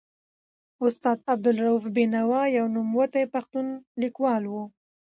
استاد عبدالروف بینوا یو نوموتی پښتون لیکوال و.